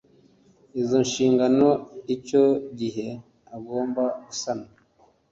izo nshingano icyo gihe agomba gusana